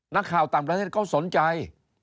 นักข่าวต่างประเทศเขาสนใจ